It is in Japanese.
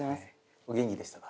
お元気でしたか？